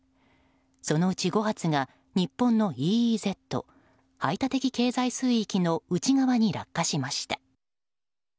そのうち５発が日本のＥＥＺ・排他的経済水域の内側に落下しました。